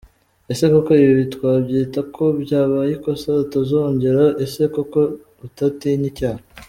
Ese koko ibi twabyita ko byabaye ikosa atazongera? Ese koko utatinya icyaha.